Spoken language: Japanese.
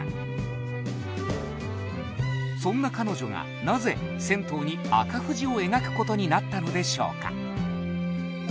そんな彼女がなぜ銭湯に紅富士を描くことになったのでしょうか？